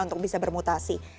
untuk bisa bermutasi